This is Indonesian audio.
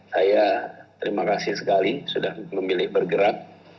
saya terima kasih sekali sudah memilih bergerak